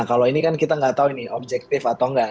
kalau ini kan kita nggak tahu ini objektif atau enggak